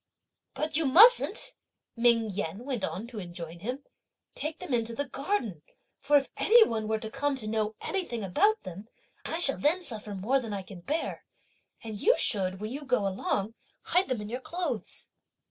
"But you mustn't," Ming Yen went on to enjoin him, "take them into the garden; for if any one were to come to know anything about them, I shall then suffer more than I can bear; and you should, when you go along, hide them in your clothes!"